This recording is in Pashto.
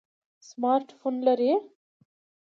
سمارټ فون لرئ؟